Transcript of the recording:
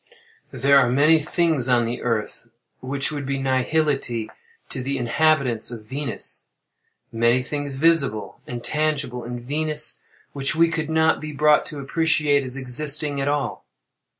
There are many things on the Earth, which would be nihility to the inhabitants of Venus—many things visible and tangible in Venus, which we could not be brought to appreciate as existing at all.